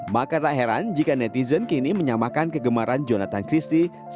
maka tak heran jika netizen kini menyamakan kegemaran jonathan christie